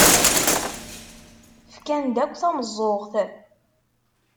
Fkan-d akk tameẓẓuɣt.